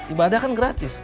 ibadah kan gratis